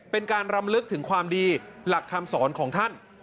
เป็นการรำลึกถึงความดีหลักคำสอนของท่าน